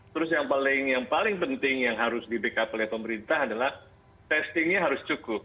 terus yang paling penting yang harus di backup oleh pemerintah adalah testingnya harus cukup